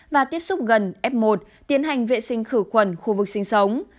và tiếp xúc gần f một tiến hành vệ sinh khử khuẩn khu vực sinh sống